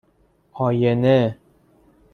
آینه